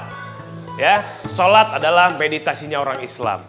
ya sholat adalah meditasinya orang islam